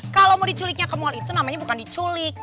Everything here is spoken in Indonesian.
kalau mau dicurignya ke mall itu namanya bukan dicurig